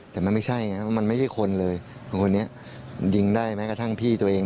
แต่มันไม่ใช่ไงเพราะมันไม่ใช่คนเลยคนนี้ยิงได้แม้กระทั่งพี่ตัวเอง